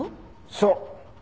そう。